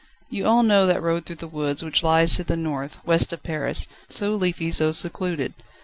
You all know that road through the woods, which lies to the north west of Paris: so leafy, so secluded.